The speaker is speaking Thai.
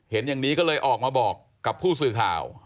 เห็นอย่างนี้ก็เลยออกมาบอกกับผู้สื่อข่าว